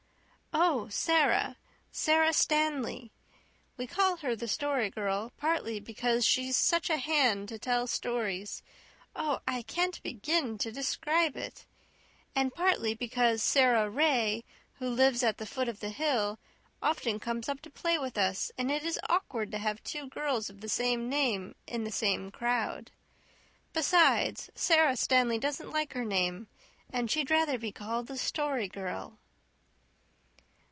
"Oh, Sara Sara Stanley. We call her the Story Girl partly because she's such a hand to tell stories oh, I can't begin to describe it and partly because Sara Ray, who lives at the foot of the hill, often comes up to play with us, and it is awkward to have two girls of the same name in the same crowd. Besides, Sara Stanley doesn't like her name and she'd rather be called the Story Girl."